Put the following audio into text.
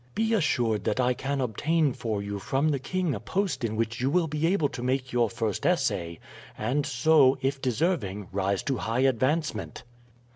Be assured that I can obtain for you from the king a post in which you will be able to make your first essay, and so, if deserving, rise to high advancement.'"